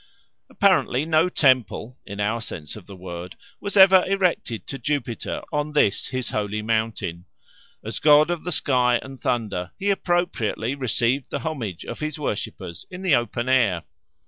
Apparently no temple, in our sense of the word, was ever erected to Jupiter on this his holy mountain; as god of the sky and thunder he appropriately received the homage of his worshippers in the open air.